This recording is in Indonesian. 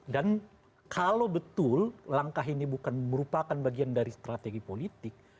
dan kalau betul langkah ini bukan merupakan bagian dari strategi politik